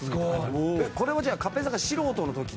これはじゃあ勝平さんが素人の時って事？